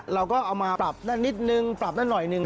เราก็เอามาปรับนั่นนิดหนึ่งปรับนั่นน่อยหนึ่ง